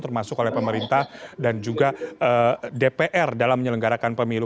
termasuk oleh pemerintah dan juga dpr dalam menyelenggarakan pemilu